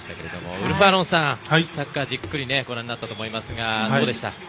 ウルフアロンさんサッカー、じっくりご覧になったと思いますがどうでした？